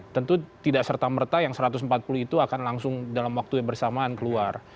tentu tidak serta merta yang satu ratus empat puluh itu akan langsung dalam waktu yang bersamaan keluar